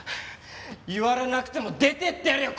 言われなくても出ていってやるよ